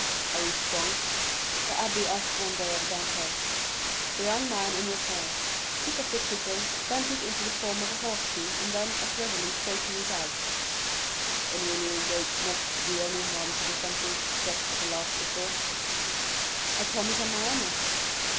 "Are you strong?" the abbé asked one day of Dantès. The young man, in reply, took up the chisel, bent it into the form of a horseshoe, and then as readily straightened it. "And will you engage not to do any harm to the sentry, except as a last resort?" "I promise on my honor."